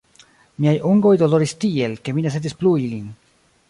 Miaj ungoj doloris tiel, ke mi ne sentis plu ilin.